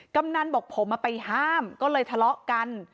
กำนันบอกผมไปห้ามก็เลยทะเลาะกัน